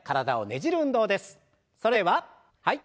それでははい。